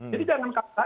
jadi dengan kata